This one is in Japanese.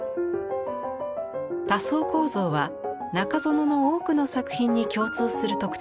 多層構造は中園の多くの作品に共通する特徴です。